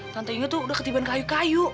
tante inge tuh udah ketibaan kayu kayu